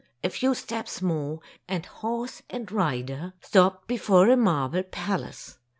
A few steps more, and horse and rider stopped before a marble palace.